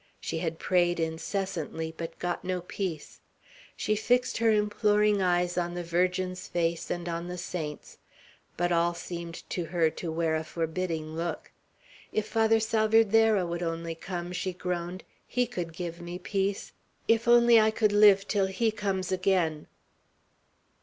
She had prayed incessantly, but got no peace. She fixed her imploring eyes on the Virgin's face and on the saints; but all seemed to her to wear a forbidding look. "If Father Salvierderra would only come!" she groaned. "He could give me peace. If only I can live till he comes again!"